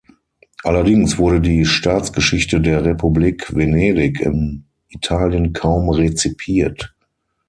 Allerdings wurde die "Staatsgeschichte der Republik Venedig" in Italien kaum rezipiert.